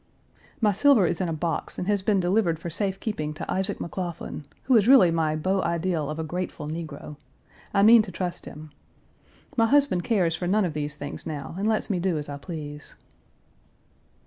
My silver is in a box and has been delivered for safe keeping to Isaac McLaughlin, who is really my beau ideal of a grateful negro. I mean to trust him. My husband cares for none of these things now, and lets me do as I please.